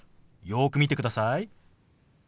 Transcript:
よく見てください。